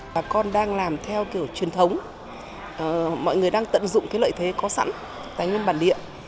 bà con đang làm theo kiểu truyền thống mọi người đang tận dụng cái lợi thế có sẵn tài nguyên bản địa